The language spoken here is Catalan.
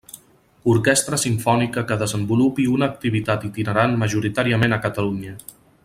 Orquestra simfònica que desenvolupi una activitat itinerant majoritàriament a Catalunya.